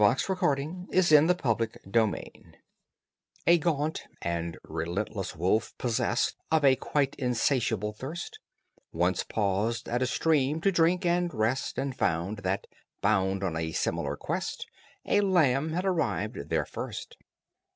THE INHUMAN WOLF AND THE LAMB SANS GENE A gaunt and relentless wolf, possessed Of a quite insatiable thirst, Once paused at a stream to drink and rest, And found that, bound on a similar quest, A lamb had arrived there first.